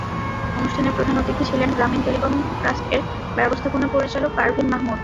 অনুষ্ঠানে প্রধান অতিথি ছিলেন গ্রামীণ টেলিকম ট্রাস্টের ব্যবস্থাপনা পরিচালক পারভীন মাহমুদ।